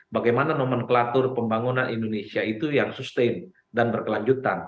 bagaimana nomenklatur pembangunan indonesia itu yang sustain dan berkelanjutan